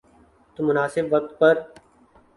تو مناسب وقت پر۔